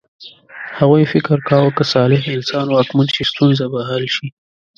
هغوی فکر کاوه که صالح انسان واکمن شي ستونزه به حل شي.